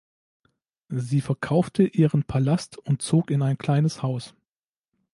Sie verkaufte ihren Palast und zog in ein kleines Haus.